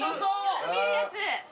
よく見るやつ。